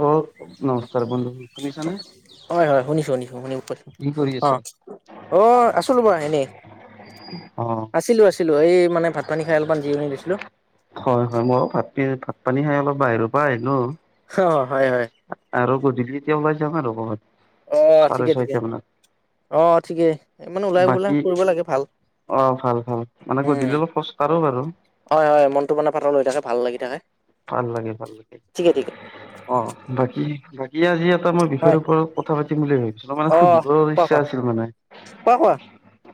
বহুত নমস্কাৰ বন্ধু! শুনিছানে? হয় হয় শুনিছোঁ শুনিছোঁ শুনিছোঁ কৈছোঁ কি কৰি অ আছা অ' আছোঁ ৰ'ব এনেই। অ'। আছিলোঁ আছিলোঁ এই মানে ভাত পানী খাই অলপমান জিৰণি দিছিলোঁ। হয় হয় মই ভাত ভাত পানী খাই অলপ বাহিৰৰ পৰা আহিলোঁ। অ' হয়, হয়। আৰু গধূলি এতিয়া ওলাই যাম আৰু ক'ৰবাত। অ' চাৰে ঠিকে, ঠিকে ছয়টা মানত অ'ঠিকেই। বাকী অ' ভাল ভাল মানে গধূলি উম অলপ খোজকাঢ়ো বাৰু। হয় হয় মনটো মানে পাতল হৈ থাকে ভাল লাগি থাকে। ভাল লাগে, ভাল লাগে। ঠিকে ঠিকে অ বাকী বাকী আজি এটা মই হয় বিষয়ৰ ওপৰত কথা পাতিম বুলি ভাবিছিলোঁ মানে অ সুধিব কোৱা কোৱা লগা আছিল মানে। কোৱা, কোৱা।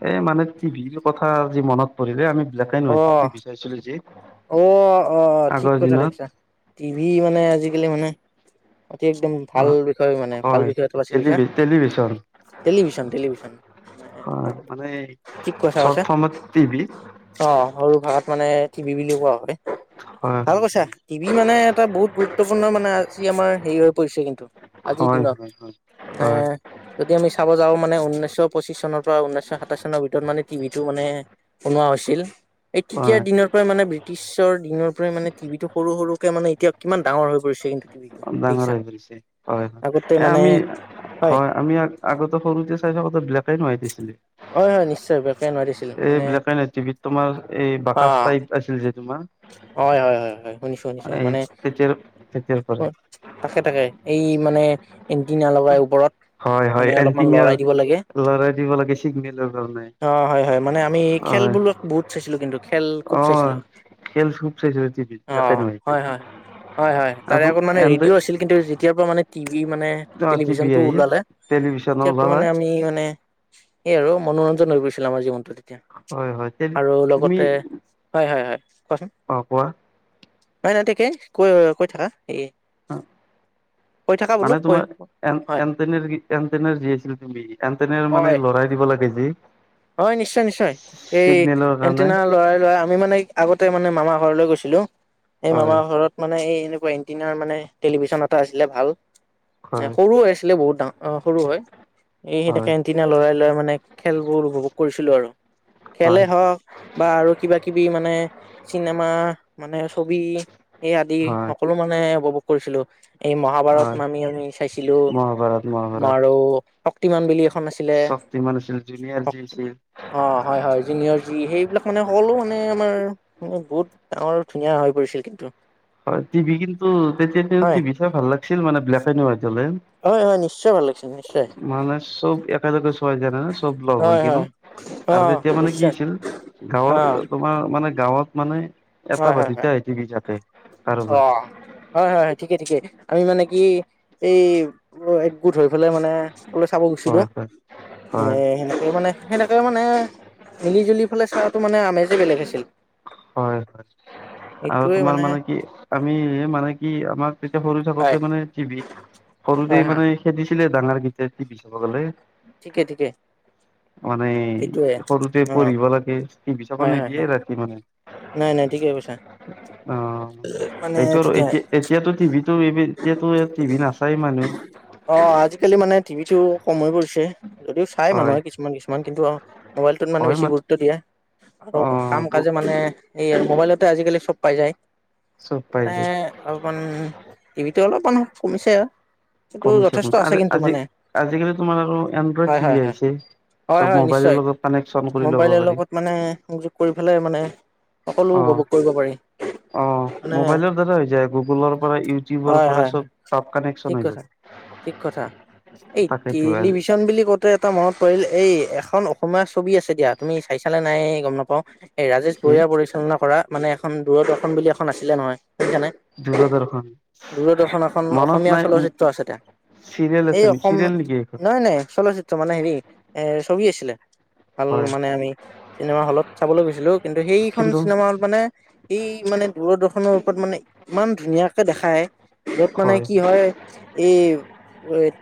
এ মানে টি ভিৰ কথা আজি মনত পৰিলে আমি বিলাকে নহয় আহ টিভি চাইছিলো যে আহ অ' অ' ঠিক আগৰ কথা দিনত দেখিছা। টিভি মানে আজিকালি মানে আজি একদম অ ভাল বিষয় মানে ভাল হয় বিষয় হয় এটা বাছি লৈছা। টেলিভি টেলিভিছন টেলিভিশ্যন টেলিভিশ্যন হয় ঠিক কথা কৈছে। ট ভি অ' সৰু ভাষাত মানে টিভি বুলিও কোৱা হয়, ভাল কৈছা। টিভি মানে এটা বহুত গুৰুত্বপূৰ্ণ মানে আজি আমাৰ হেৰি হৈ পৰিছে কিন্তু? আজিৰ হয় দিনত হয় হয় মানে হয় হয় যদি আমি চাব যাওঁ মানে ঊনৈশ পঁচিশ চনৰ পৰা ঊনৈশ সাতাইশ চনৰ ভিতৰত মানে টিভিটো মানে বনোৱা হৈছিল। এই তেতিয়াৰ হয় দিনৰ পৰাই মানে ব্ৰিটিছৰ দিনৰ পৰাই মানে টিভিতটো সৰু সৰুকে মানে এতিয়া কিমান ডাঙৰ হৈ পৰিছে কিন্তু, টিভিটো ডাঙৰ দেখিছা, হৈ পৰিছে হয় হয় আগতে এ মানে আমি হয় আমি আগতে সৰুতে চাই থাকোতে বিলেক এন্ড হুৱাইট আছিলে। হয় হয় নিশ্চয় বেকে নোৱাৰিছিল এই মানে বিলেক এন্ড হুৱাইট টিভিত তোমাৰ এই অ বাকচ টাইত আছিল যে তোমাৰ হয়, হয়, হয়, হয় শুনিছোঁ শুনিছোঁ এই মানে তেতিয়াৰ তেতিয়াৰ পৰাই তাকে তাকে এই মানে এণ্টিনা লগাই ওপৰত। হয় হয় মানে অলপমান এণ্টিনিয়া লৰাই দিব লাগে। লৰাই দিব লাগে চিগনেলৰ কাৰণে অ' হয় হয় মানে আমি খেল হয় বোলো বহুত চাইছিলো। কিন্তু খেল খুব অ চাইছিলোঁ। খেল খুব চাইছিলো টিভি ত। অ, হয়, হয়, হয় হয় তাৰে আৰু আগত মানে এ ৰেডিঅ' আছিল৷ কিন্তু যেতিয়া পৰা মানে টিভি মানে টিভি টেলিভিশ্যনটো আহিল ওলালে। টেলিভিছন তেতিয়াৰ পৰা ওলালে মানে আমি মানে এই আৰু মনোৰঞ্জন হৈ গৈছিলে আমাৰ জীৱনটোত তেতিয়া হয় হয় টেলি আৰু তুমি লগতে হয়, হয়, হয় কোৱাচোন? অ', কোৱা? নাই, নাই, তাকে কৈ কৈ থাকা। এইেয় অ, মানে কৈ তোমাৰ এন, হয় এন, যি আছিল তুমি এণ্টিনা মানে হয় ল'ৰাই দিব লাগে, যি হয়, নিশ্চয় নিশ্চয় এই চিগনেলৰ কাৰণে এণ্টিনা লৰাই লৰা আমি মানে আগতে মানে মামা ঘৰলৈ গৈছিলো। সেই মামা হয় ঘৰত মানে এই এনেকুৱা এণ্টিনাৰ মানে, টেলিভিশন এটা আছিলে ভাল। এ, হয় সৰু হৈ আছিলে বহুত, ডা- অ, সৰু হয়, এই এনেকে হয় দিনা লৰাই লৰাই মানে খেলবোৰ উপভোগ কৰিছিলো। আৰু খেলেই হয় হ'ওক বা আৰু কিবা- কিবি মানে চিনেমা মানে ছবি, এই আদি হয় সকলো মানে উপভোগ কৰিছিলো। এই মহাভাৰত হয় নামি আমি চাইছিলো। মহাভাৰত মহাভাৰত আৰু শক্তিমান বুলি এখন আছিল লে যিমান আছিল জুনিয়ৰ যি আছিল। অ, হয়, হয়, জিনিয়ৰ যি সেইবিলাক মানে সকলো মানে আমাৰ মই, বহুত ডাঙৰ, ধুনীয়া হৈ পৰিছিল কিন্তু। হয়, টিভি কিন্তু তেতিয়া হয় টিভি চাই ভাল লাগিছিল, মানে ব্লেক এণ্ড হোৱাইট হ'লে। হয় হয় নিশ্চয় ভাল লাগিছিল নিশ্চয় মানে চব, এক [inaudible] হৈ হয় কিনো হয় অ আৰু তেতিয়া মানে কি নিশ্চয় হৈছিল, অ গাঁৱত আমাৰ মানে, গাঁৱত মানে, এটা হয় বা হয় [inaudible] হয় অ, কাৰোবাৰ হয়, হয়, হয় ঠিকে ঠিকে আমি মানে কি, এই অ, একগোট হৈ পেলাই মানে অকলে চাব গৈছিলো, হয় হয় এ হয় সেনেকে মানে সেনোকে মানে, মিলি জুলি এইফালে চাহটো মানে আমেজে বেলেগ আছিল, হয় হয় আৰু এইটোৱে তোমাৰ মানে কি আমি মানে কি আমাৰ তেতিয়া সৰু থাকোতে হয় মানে, টিভি সৰুতে হয় হয় মানে খেদিছিলে ডাঙৰ, গীতে বিচাব গ'লে? ঠিকে ঠিকে মানে এইটোৱে সৰুতে, অ পঢ়িব লাগে। টভি চাব হয় হয় নিদিয়ে হয় ৰাতি মানে। নাই, নাই, থিকে কৈছা। অ, মানে সটো আৰু তেতিয়া এতিয়া, এতিয়াতো টিভিতো, এই এতিয়াতো ই টিভি নাচায় মানুহ অ, আজিকালি মানে টিভিতো, কম হৈ পৰিছে। যদিও চাই হয় মানুহে কিছুমান, কিছুমান কিন্তু মোবাইলটোত মানে হয় বেছি মান গুৰুত্ব দিয়ে। আৰু অ কাম-কাজে মানে এই মোবাইলতে আজিকালি চব পাই যায়। চব পাই সেইকাৰণে যায় অলপমান, টিভিটো অলপমান কমিছে। কিন্তু কমিছে, যথেষ্ট কমিছে আছে কিন্তু আজি, মানে আজিকালি তোমাৰ আৰু এনড্ৰইড হয় হয় টিভি হয় আহিছে। হয়, চব হয় মোবাইলৰ নিশ্চয় লগত কানেকচন কৰি ল'ব মোবাইলৰ পাৰি লগত মানে সংযোগ কৰি পেলাই মানে সকলো অ উপভোগ কৰিব পাৰি। অ, মানে মবাইলৰ দ্বাৰা হৈ যায়, গুগলৰ পৰা, ইউটিউবৰ হয় পৰা, হয় হয় চব টাত ঠিক কানেকছন হৈ কথা যায়। ঠিক কথা, এই [inaudible] বুলি কওঁতে এটা মনত পৰিল, এই এখন অসমীয়া ছবি আছে দিয়া, তুমি চাই চানে নাই গম নাপাওঁ। এই ৰাজেশ কি বৰঞাৰ পৰিচালনা কৰা, মানে এখন দূৰ-ৰ্দশন বুলি এখন আছিলে নহয় বুজিছানে। দূৰদৰ্শন দূৰদৰ্শন এখন মনত অসমীয়া নাই চলচিত্ৰ আছিলে। চিৰিয়েল এই আছে নেকি অসম, চিৰিয়েল নেকি এইখন নাই নাই চলচিত্ৰ মানে হেৰি এ ছবি আছিলে, ভাল হয় মানে আমি চিনেমা হলত চাবলৈ গৈছিলোঁ। কিন্তু সেইখন কিন্তু চিনেমা হলত মানে এই মানে দূৰদৰ্শনৰ ওপৰত মানে ইমান ধুনীয়াকে দেখায়। য'ত মানে কি হয় এই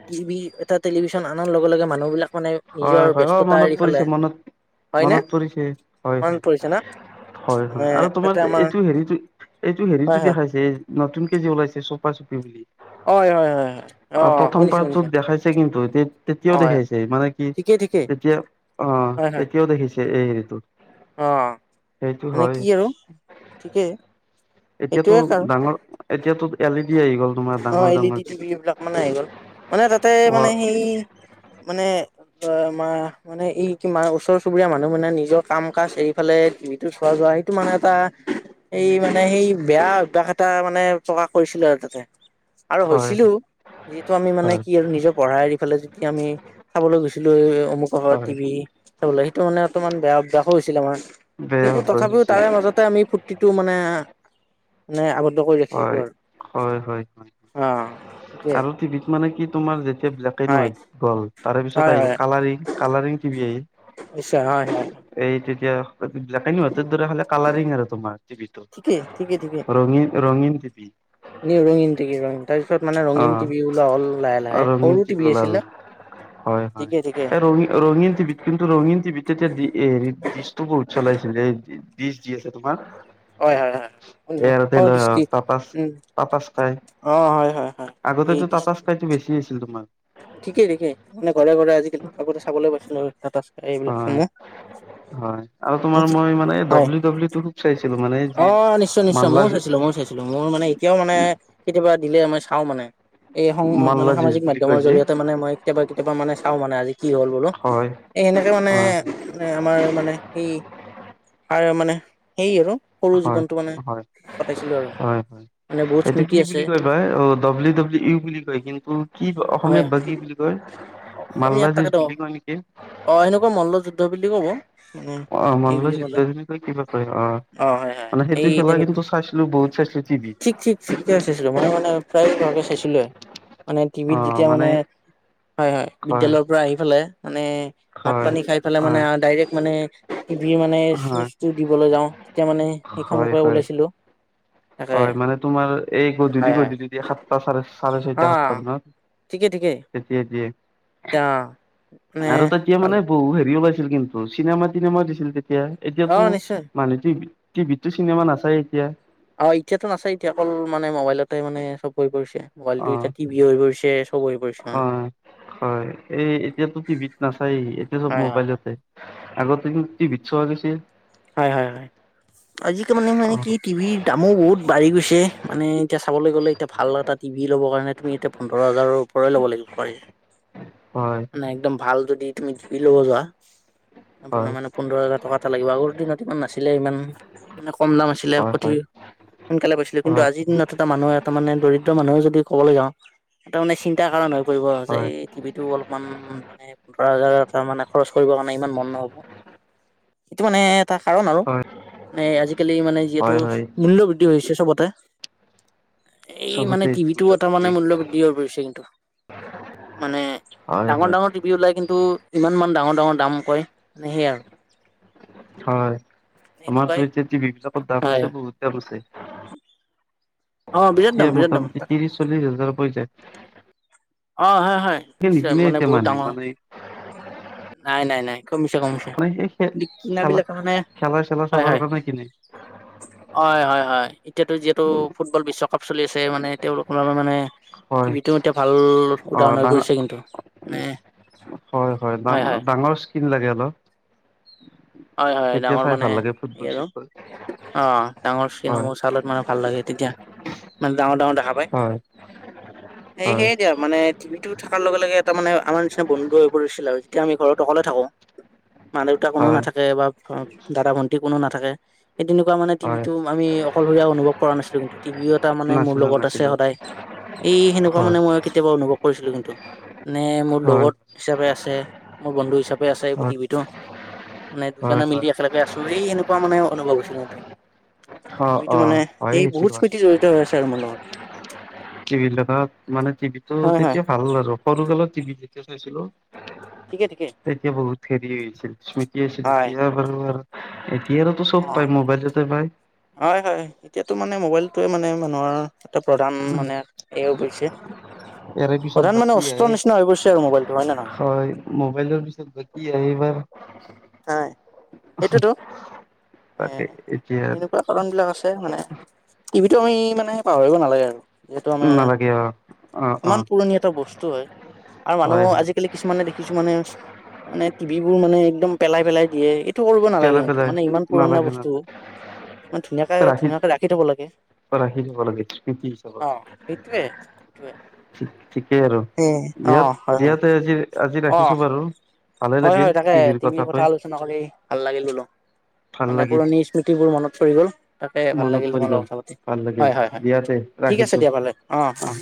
টিভি এটা টেলিভিশ্যন আনাৰ লগে লগে মানুহ বিলাক মানে হয় নিজৰ হয় অ ব্যস্ততা মনত এৰি ফেলে পৰিছে মনত হয়নে মনত পৰিছে হয় মনত হয় পৰিছে ন? হয় হয় আৰু তোমাৰ এইটো হেৰিটো এইটো হেৰিটো হয় দেখাইছে। নতুনকে যে ওলাইছে চোপা চুপি। হয় হয় হয় হয় হয় অ', প্ৰথম শুনিছো পাৰ্টটোত শুনিছো দেখাইছে, কিন্তু তেতিয়াও অ দেখাইছে, মানে কি ঠিকেই ঠিকেই তেতিয়া অ', হয় হয় তেতিয়াও দেখিছে এই হেৰিটো অ', সেইটো মানে হয় কি আৰু ঠিকেই। এতিয়াতো এইটোয়ে কাৰণ ডাঙৰ, এতিয়াতো এল ই ডি আহি গ'ল। তোমাৰ ডাঙৰ অ', এল ই ডাঙৰ ডি টিভি এইবিলাক মানে আহি গ'ল মানে তাতে মানে সেই মানে [unintelligible] মানে ই কি মা ওচৰ চুবুৰীয়া মানুহ মানে নিজৰ কাম কাজ এৰিফালে টিভিটো চোৱা যোৱা সেইটো মানে এটা এই মানে সেই বেয়া অভ্যাস এটা মানে প্ৰকাশ কৰিছিলে আৰু তাতে। আৰু হয় হৈছিলো যিহেতু আমি মানে কি আৰু নিজৰ পঢ়া এৰি ফালে যে এতিয়া আমি চাবলৈ গৈছিলো এই অমুকৰ ঘৰত হয় টিভি। ওলাই, সেইটো মানে অমান বেয়া অভ্যাসো হৈছিলে আমাৰ বেয়া কিন্তু হ'ব তথাপিও হৈছিল তাৰে মাজতে আমি যিটো মানে মানে আৱদ্ধ কৰি হয় ৰাখিছিলোঁ আৰু। হয় হয় অ' সেইটোৱে আৰু টিভিত মানে কি তোমাৰ যে ব্লেক এণ্ড হয় হোৱাইট গ'ল তাৰে পিছত হয় আহিল হয় কালাৰিং কালাৰিং তিভি আহিল। নিশ্চয়, হয় হয়। এই তেতিয়া ব্লেক এণ্ড হোৱাইটৰ দৰে খালি কালাৰিং আৰু তোমাৰ টিভিটো, ঠিকেই ঠিকেই ৰঙী ৰঙীন টিভি। নি ৰঙীন টিভি তাৰ পিছত মানে অ ৰঙীন টিভি ওলোৱা হ'ল লাহে লাহে, ৰঙীন সৰু টিভি ওলাল আছিলে। হয় হয় ঠিকে ঠিকে এ ৰঙী, ৰঙীন টিভি কিন্তু ৰঙীন টিভিত তেতিয়া হেৰি ডিচটো বহুত চলাইছিলে ডিচ যি আছে তোমাৰ। হয়, হয়, হয়। অ আছিলে দৃষ্টি টাটাচ উম টাটাচকাই অ হয় হয় হয় এই আগতেতো দৃষ্টি টাটাচকাই সেইতো বেছি আছিল তোমাৰ। ঠিকেই ঠিকেই, মানে ঘৰে ঘৰে আজিকালি আগতে চাবলৈ পাইছিলো টাটাচকাই হয় এইবিলাকসমূহ। [unintelligible] হয় আৰু তোমাৰ মই মানে হয় ডাব্লিউ, ডব্লিউ খোপ চাইছিলো মানে অ যি নিশ্চয় নিশ্চয় ময়ো মাল্লা যি চাইছিলো ময়ো চাইছিলো মোৰ মানে এতিয়াও, মানে কেতিয়াবা দিলে মই চাও মানে এই সং মানে মাল্লা যুঁজ সামাজিক মাধ বুলি কয় যি জৰিয়তে মানে মই কেতিয়াবা কেতিয়াবা মানে চাও মানে আজি কি হ'ল বোলো, হয় এই সেনেকে মানে হয় আমাৰ মানে সেই আৰু মানে সেই আৰু সৰু হয় জীৱনটো মানে হয় কতাইছিলো আৰু মানে বহুত স্মৃতি আছে। ক অ ডাব্লউ ডাব্লিউ ইউ বুলি কয়, কিন্তু কি হয় অসমীয়াত বা কি বুলি কয়? আমি ইয়াত মাল্লাজিজ তাকেতো বুলি কয় নেকি? অ সেনেকুৱা মল্ল যুদ্ধ বুলি ক'ব মানে অ', এই মাল্লা যুদ্ধ ক'লে বুলি কয়, কিবা কয় অ'। হয় হয় মানে সেইটো এই খেলা তেনেকুৱা কিন্তু চাইছিলোঁ বহুত চাইছিলোঁ টিভিত। ঠিক ঠিক ঠিক, চাইছিলোঁ মানে মানে প্ৰায়কে চাইছিলোঁ, মানে টিভিত যেতিয়া মানে হয় হয়, বিদ্যালয়ৰ পৰা আহি পেলাই, মানে ভাত হয় পানী খাই পেলাই হয় মানে, ডাইৰেক্ট মানে, টিভিৰ মানে হয় চুইচটো দিবলৈ যাওঁ। তেতিয়া মানে হয় সেইখনকে হয় ওলাইছিলো। তাকে হয়, মানে তোমাৰ এই গধূলি হয় হয় গধূলি দিয়ে সাতটা চাৰে চাৰে অ ছয়টা সাততা মানত, ঠিকেই ঠিকেই তেতিয়া দিয়ে। অ মানে আৰু তেতিয়া ভাল মানে বিহু হেৰি ওলাইছিল কিন্তু, চিনেমা তিনেমাও দিছিল তেতিয়া, অ', এতিয়াতো নিশ্চয়। মানুহটো টিভিততো চিনেমা নাচায়েই এতিয়া। অ', এতিয়াতো নাচাই এতিয়া, অকল মানে মোবাইলতে মানে চব হৈ পৰিছে। মোবাইলটো অ এতিয়া টভি হৈ পৰিছে, চব হৈ পৰিছে মানে। হয় হয়, এই এতিয়াতো টিভিত নাচায়, এতিয়া চব হয়, হয়, হয়। মোবাইলতে। আগতেটো টিভিত ছোৱা গৈছে। হয় হয় হয়, আজিকালি মানে অ মানে কি টিভিৰ দামো বহুত বাঢ়ি গৈছে, মানে এতিয়া চাবলৈ গ'লে, এতিয়া ভাল এটা টিভি ল'ৰ কাৰণে তুমি এতিয়া পোন্ধৰ হাজাৰৰ [unintelligible] ল'ব লাগিব, হয়। হয়। নাই, একদম ভাল যদি তুমি টিভি ল'ব যোৱা, আপোনাৰ হয় মানে পোন্ধৰ হাজাৰ টকা এটা লাগিব, আগৰ দিনত ইমান নাছিলে, ইমান মানে কম দাম আছি ছিলে, হয় অতি হয় সোনকালে পাইছিলোঁ কিন্তু হয় আজিৰ দিনত এটা মানুহে তাৰ মানে দৰিদ্ৰ মানুহে যদি ক'বলৈ যাওঁ, এটা মানে চিন্তা কাৰণ হৈ পৰিব, যে হয় এই টিভিটো অলপ ইমান মানে পোন্ধৰ হাজাৰ মানে খৰচ কৰিবৰ কাৰণে ইমান মন নহব। সেইটো মানে এটা কাৰণ আৰু, হয় মানে আজিকালি মানে যিহেতু হয় হয় মূল্য বৃদ্ধি হৈছে চবতে, এই চবতে মানে মূল্য টিভিটোও এটা বৃদ্ধি মানে মূল্য বৃদ্ধি হৈ পৰিছে কিন্তু। মানে হয় ডাঙৰ হয় ডাঙৰ টিভিউ ওলাই, কিন্তু ইমানমান ডাঙৰ ডাঙৰ দাম কয়, মানে সেয়াই আৰু। হয়, সেনেকুৱাই আমাৰতো এতিয়া টি ভি বিলাকত দাম হয় আছে, বহুত দাম আছে। অ বিৰাট দাম এতিয়া বিৰাট দাম মোটামুটি তাকে ত্ৰিশ চল্লিশ হাজাৰ হৈ যায়। অ', হয় হয়, সেই নিশ্চয় নিকিনে মানে এতিয়া বহুত মানুহে ডাঙৰ, মানে নাই নাই নাই, কমিছে কমিছে। মানে সেই খে কিনা খেলা বিলাকে তাৰমানে, খেলা চেলা হয় চাবৰ হয়। কাৰণে কিনে হয় হয় হয়, এতিয়াতো যিহেতু ফুটবল বিশ্বকাপ চলি আছে, মানে তেওঁলোকৰ মানে হয় টিভিটো এতিয়া ভাল অ', উদাহৰণ হৈ ডাঙৰ, পৰিছে কিন্তু মানে হয় হয়, ডাঙৰ স্কিন লাগে অলপ। হয় হয়, তেতিয়া ডাঙৰ চাই মানে ভাল লাগে এই ফুটবল আৰু চুটবল অ', ডাঙৰ হয় স্ক্ৰীণসমূহ চালত মানে ভাল লাগে তেতিয়া। মানে ডাঙৰ ডাঙৰ দেখা পাই, হয় এই হয় সেয়ে দিয়ক। মানে টিভিটো থকাৰ লগে লগে এটা মানে আমাৰ নিচিনা বন্ধু হৈ পৰিছিল আৰু, যেতিয়া আমি ঘৰত অকলে থাকো। [inaudible] মা দেউতা কোনো হয় নাথাকে, বা দাদা ভন্টি কোনো নাথাকে। সেই তেনেকুৱা মানে হয় টিভিটো আমি অকলশৰীয়া অনুভৱ কৰা নাছিলো কিন্তু, টিভিও এটা মানে মোৰ নাছিলো লগত আছে নাছিলো সদায়। এই সেনেকুৱা হয় মানে মই কেতিয়াবা অনুভৱ কৰিছিলো কিন্তু, নে মোৰ হয় লগৰ হিচাপে আছে। মোৰ বন্ধু হিচাপে আছে এই হয় টিভিটো। মানে হয় দুজনে মিলি হয় একেলগে আছোঁ, এই সেনেকুৱা মানে অনুভৱ হৈছিল সেইটো। অ টিভিটো অ মানে, হয় এই বহুত সেইটো হয় স্মৃতি জড়িত হৈ আছে আৰু মোৰ লগত। টিভি দেখাত, মানে টিভি টো হয় হয় তেতিয়া ভাল আৰু, সৰুকালৰ টিভি যেতিয়া চাইছিলোঁ। ঠিকে ঠিকে তেতিয়া বহুত হেৰি হৈছিল স্মৃতি আছে, হয় এতিয়া বাৰু আৰু এতিয়া আৰু চব অ পায়, মোবাইলতেই পায়। হয় হয় এতিয়াতো মানে মোবাইলটোৱে মানে মানুহৰ এট প্ৰধান মানে এইও বোইছে ইয়াৰে পিছত প্ৰধান মানে বাকী অস্ত্ৰৰ আহে নিচিনা হৈ পৰিছে আৰু মোবাইলটো হয় নে নহয়? মোবাইলৰ পিছত বা কি আহে এইবাৰ। হয় এইটোৱেত এ তাকে এতিয়া এনেকুৱা তলনবিলাক আছে মানে টিভিটো আমি মানে পাহৰিব নালাগে আৰু। যিহেতু আমাৰ নালাগে অ। অ অ ইমান পুৰণি এটা বস্তু হয় আৰু মানুহ হয় হয় আজিকালি কিছুমানে দেখ কিছুমানে মানে টিভিবোৰ মানে একদম পেলাই পেলাই দিয়ে, এইট টো কৰিব নালাগে পেলাই কিন্তু পেলাই মানে ইমান পুৰণা নালাগে বস্তু নালাগে মানে ধুনীয়াকে ধুনীয়াকে ৰাখি থব লাগে। ৰাখি থব লাগে স্মৃতি হিচাবত। অ সেইটোৱে সেইটোৱে ঠি ঠিকেই আৰু এ অ হয় দিয়াত হয় দিয়াতে আজি আজি অ ৰাখিছো বাৰু। ভালে লাগিল টি ভিৰ কথা কৈ। চনা কৰি ভাল লাগিল বোলো। ভাল মানে লাগিল পুৰণি স্মৃতিবোৰ মনত পৰি গ'ল তাকে ভাল মনত লাগিল পৰি তোমোৰ গল লগত কথা পাতি ভাল লাগিল হয়, হয় হয়। দিয়াতে ঠিক ৰাখিছো আছে দিয়া ভালে অ অ।